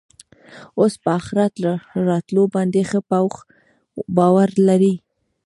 او په آخرت راتلو باندي ښه پوخ باور لري